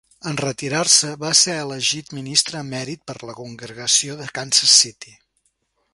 En retirar-se, va ser elegit ministre emèrit per la congregació de Kansas City.